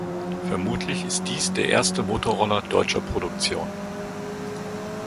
Vermutlich ist dies der erste Motorroller deutscher Produktion.